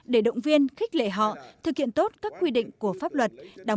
để động viên khích lệ họ thực hiện tốt các quy định của pháp luật